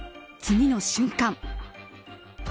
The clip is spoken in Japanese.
次の瞬間